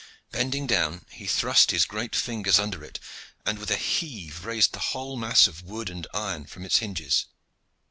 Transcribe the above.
Bending down, he thrust his great fingers under it, and with a heave raised the whole mass of wood and iron from its hinges.